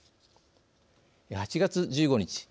８月１５日